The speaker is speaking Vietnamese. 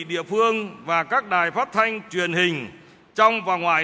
địa phương và các đài phát thanh truyền hình trong và ngoài